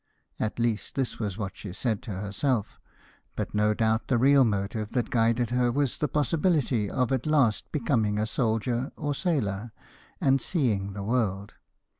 At least this was what she said to herself, but no doubt the real motive that guided her was the possibility of at last becoming a soldier or sailor, and seeing the world.